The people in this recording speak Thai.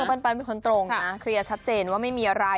ปันเป็นคนตรงนะเคลียร์ชัดเจนว่าไม่มีอะไร